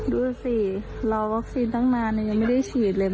ดูสิรอวัคซีนตั้งนานยังไม่ได้ฉีดเลย